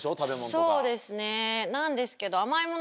そうですねなんですけど。